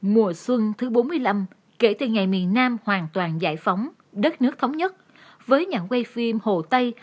mùa xuân thứ bốn mươi năm kể từ ngày miền nam hoàn toàn giải phóng đất nước thống nhất với nhà quay phim hồ tây